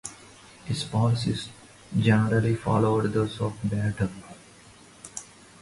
His policies generally followed those of Batlle.